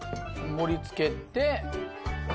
盛り付けて。